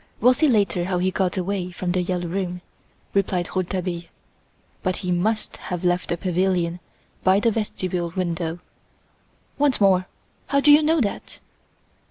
"We'll see later how he got away from "The Yellow Room"," replied Rouletabille, "but he must have left the pavilion by the vestibule window." "Once more, how do you know that?"